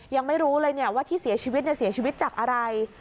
ยังไม่รู้เลยว่าที่เสียชีวิตเสียชีวิตจากอะไร